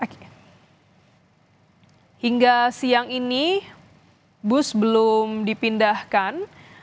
hingga siang ini bus belum dipindahkan